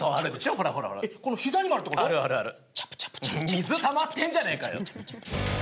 水たまってんじゃねえかよ。